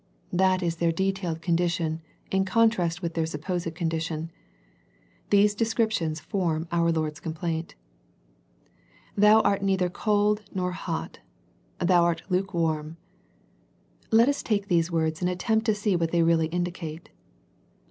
That is their detailed condition in con trast with their supposed condition. These descriptions form our Lord's complaint. " Thou art neither cold nor hot ... thou art lukewarm." Let us take these words and attempt to see what they really indicate.